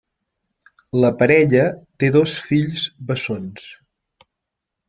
La parella té dos fills bessons.